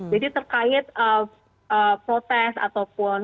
jadi terkait protes ataupun